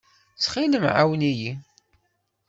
Ttxil-m, ɛawen-iyi.